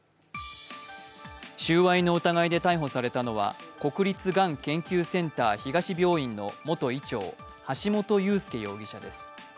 収賄の疑いで逮捕されたのは国立がん研究センター東病院の元医長、橋本裕輔容疑者です。